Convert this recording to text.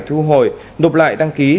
thu hồi nộp lại đăng ký